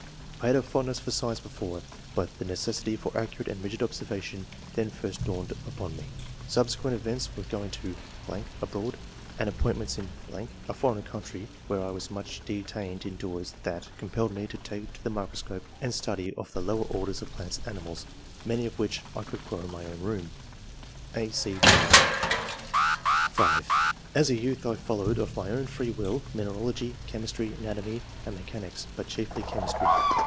I had a fondness for science before, but the ne cessity for accurate and rigid observation then first dawned upon me. Subsequent events were going to .... [abroad], and appointments in .... [a foreign country, where I was much detained indoors that] compelled me to take to the microscope and study of the lower orders of plants and animals, many of which I could grow in my own room." (a, c, g) (5) " As a youth, I followed, of my own free will, mineralogy, chemistry, anatomy, and me chanics, but chiefly chemistry.